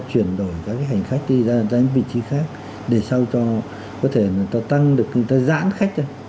chuyển đổi các cái hành khách đi ra những vị trí khác để sao cho có thể là ta tăng được ta giãn khách ra